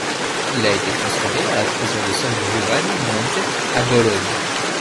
Il a été transféré à la prison de San Giovanni in Monte à Bologne.